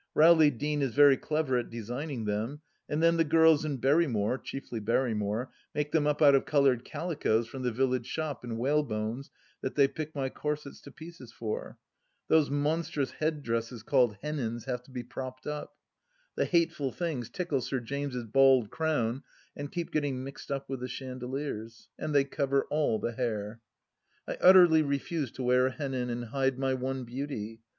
Rowley Deane is very clever at designing them, and then the girls and Berrymore — chiefly Berrymore — make them up out of coloured calicoes from the village shop and whalebones that they pick my corsets to pieces for. Those monstrous head dresses called hennins have to be propped up. The hateful things tickle Sir James' bald crown and keep getting mixed up with the chandeliers. And they cover all the hair. I utterly refuse to wear a hennin and hide my one beauty.